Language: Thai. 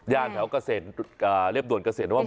อย่างแถวกเกษตรเรียบรวมเกษตรว่าบิน